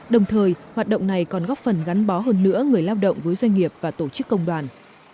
đồng thời hoạt động này còn góp phần gắn bó hơn nữa người lao động với doanh nghiệp và tổ chức công đoàn